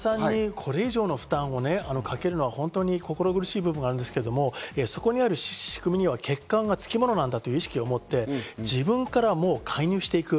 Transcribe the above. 親御さんにこれ以上の負担をかけるのは本当に心苦しい部分があるんですけど、そこにある仕組みには欠陥がつきものなんだという意識を持って、自分から介入していく。